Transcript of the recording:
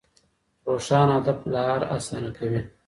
روښانه هدف لار اسانه کوي.